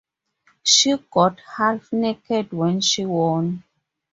She got half naked when she won.